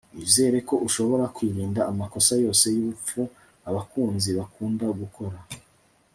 nizere ko ushobora kwirinda amakosa yose yubupfu abakunzi bakunda gukora